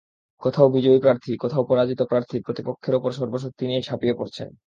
কোথাও বিজয়ী প্রার্থী, কোথাও পরাজিত প্রার্থী প্রতিপক্ষের ওপর সর্বশক্তি নিয়ে ঝাঁপিয়ে পড়ছেন।